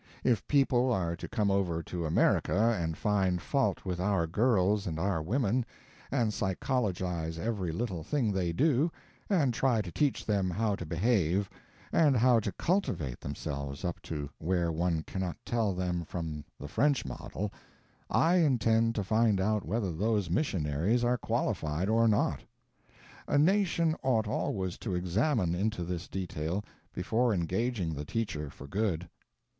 If people are to come over to America and find fault with our girls and our women, and psychologize every little thing they do, and try to teach them how to behave, and how to cultivate themselves up to where one cannot tell them from the French model, I intend to find out whether those missionaries are qualified or not. A nation ought always to examine into this detail before engaging the teacher for good.